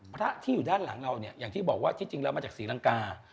พระที่อยู่ด้านหลังเราเนี่ยอย่างที่บอกว่าที่จริงแล้วมาจากศรีลังกา